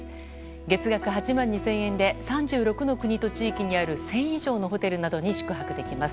月額８万２０００円で３６の国と地域にある１０００以上のホテルなどに宿泊できます。